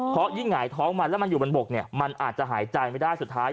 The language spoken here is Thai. เพราะยิ่งหงายท้องมันแล้วมันอยู่บนบกเนี่ยมันอาจจะหายใจไม่ได้สุดท้าย